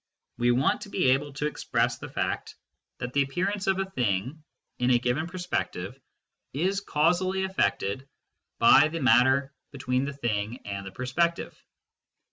WP want to be able to express the fact that SENSE DATA AND PHYSICS 165 the appearance of a thing in a given perspective is causally affected by the matter between the thing and the perspective.